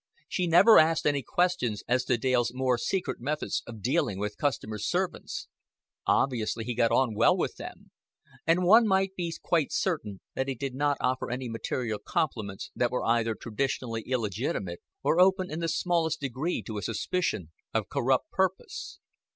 She never asked any questions as to Dale's more secret methods of dealing with customers' servants. Obviously he got on well with them; and one might be quite certain that he did not offer any material compliments that were either traditionally illegitimate or open in the smallest degree to a suspicion of corrupt purpose.